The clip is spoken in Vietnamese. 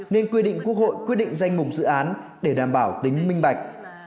nên quy định quốc hội quyết định danh mục dự án để đảm bảo tính minh bạch